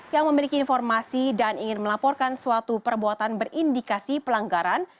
yang memiliki informasi dan ingin melaporkan suatu perbuatan berindikasi pelanggaran